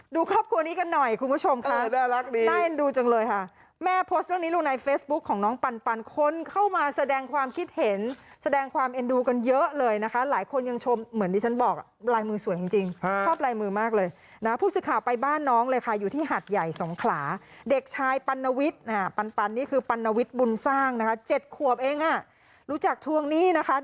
ดูครอบครัวนี้กันหน่อยคุณผู้ชมค่ะได้รักดีได้เอ็นดูจังเลยค่ะแม่โพสต์ตรงนี้ลุงในเฟซบุ๊กของน้องปันคนเข้ามาแสดงความคิดเห็นแสดงความเอ็นดูกันเยอะเลยนะคะหลายคนยังชมเหมือนที่ฉันบอกลายมือสวยจริงครอบลายมือมากเลยนะผู้สื่อข่าวไปบ้านน้องเลยค่ะอยู่ที่หัดใหญ่สองขลาเด็กชายปันณวิ